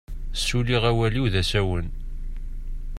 Suliɣ awal-iw d-asawen.